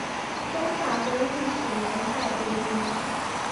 东塔的历史年代为明。